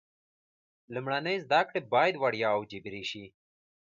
لومړنۍ زده کړې باید وړیا او جبري شي.